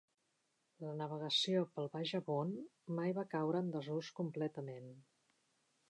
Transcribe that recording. La navegació pel baix Avon mai va caure en desús completament.